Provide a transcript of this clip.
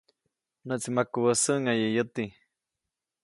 ‒Näʼtsi makubä säʼŋaye yäti‒.